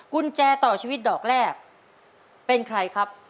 กุญแจต่อชีวิตดอกแรกเป็นใครครับ